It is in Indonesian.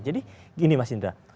jadi gini mas indra